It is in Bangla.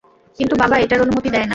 কিন্তু বাবা এটার অনুমতি দেয় না।